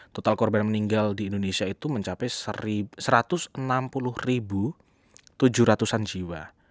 total korban meninggal di indonesia itu mencapai satu ratus enam puluh tujuh ratus an jiwa